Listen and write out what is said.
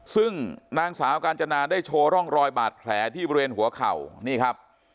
ซึ่งนางสาวกาญจนาได้โชว์ร่องรอยบาดแผลที่บริเวณหัวเข่านี่ครับ